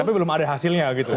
tapi belum ada hasilnya gitu